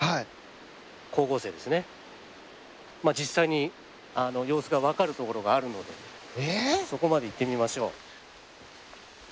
まあ実際に様子が分かるところがあるのでそこまで行ってみましょう。